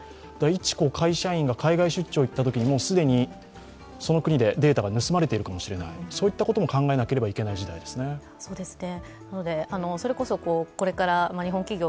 一会社員が海外出張したときにもう既にその国でデータが盗まれているかもしれない、そういったことも考えなければいけない時代ですね。